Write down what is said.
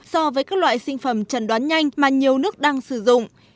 so với các loại sinh phẩm trần đoán nhanh mà nhiều nước đang sử dụng